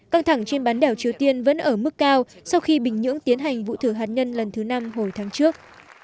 căng thẳng trên bán đảo triều tiên vẫn ở mức cao sau khi bình nhưỡng tiến hành vụ thử hạt nhân lần thứ năm hồi tháng trước